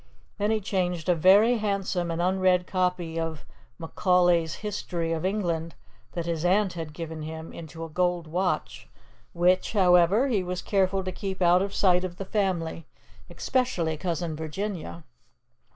Then he changed a very handsome and unread copy of Macaulay's History of England that his aunt had given him into a gold watch, which, however, he was careful to keep out of sight of the family, especially Cousin Virginia.